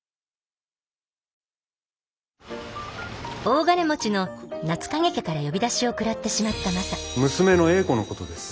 大金持ちの夏影家から呼び出しを食らってしまったマサ娘の英子のことです。